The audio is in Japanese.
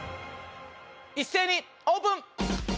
一斉にオープン！